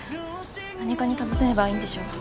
何課にたずねればいいんでしょう？